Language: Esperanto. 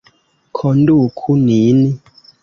Konduku nin!